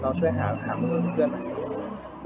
เราช่วยหามือซับเอาพี่